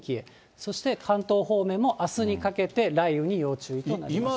そして関東方面もあすにかけて、雷雨に要注意となります。